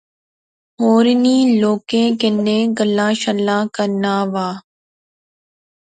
ہورنیں لوکیں کنے گلاں شلاں کرنا وہا